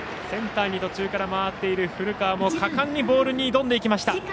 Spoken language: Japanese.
センターに途中から回っている古川も果敢にボールに挑んでいきました。